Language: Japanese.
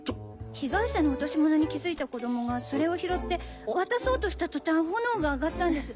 被害者の落とし物に気付いた子供がそれを拾って渡そうとした途端炎が上がったんです。